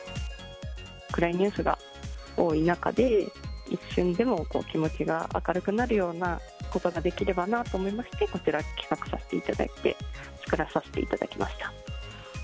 暗いニュースが多い中で、一瞬でも気持ちが明るくなるようなことができればなと思いまして、こちら、企画させていただいて、作らさせていただきました。